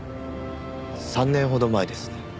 ３年ほど前です。